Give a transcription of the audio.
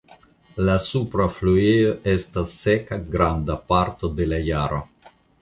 La supra fluejo estas seka granda parto de la jaro.